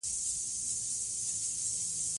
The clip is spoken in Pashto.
چار مغز د افغانستان په هره برخه کې موندل کېږي.